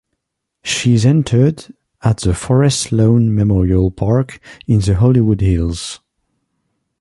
She is interred at the Forest Lawn Memorial Park in the Hollywood Hills.